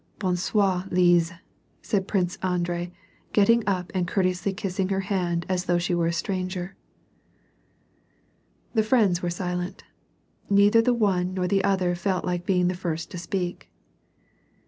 " Bon soivy Lise," said Prince Andrei, getting up and cour teously kissing her hand as though she were a stranger. The friends were silent. Neither the one nor the other felt like being the first to speak.